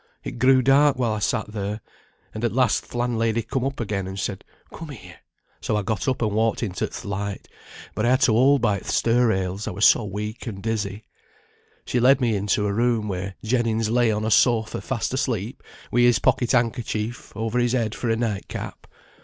It grew dark while I sat there; and at last th' landlady come up again, and said, 'Come here.' So I got up and walked into th' light, but I had to hold by th' stair rails, I were so weak and dizzy. She led me into a room, where Jennings lay on a sofa fast asleep, wi' his pocket handkercher over his head for a night cap.